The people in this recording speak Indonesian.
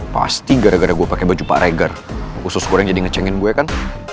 pasti gara gara gue pake baju pak regar usus goreng jadi ngecengin gue kan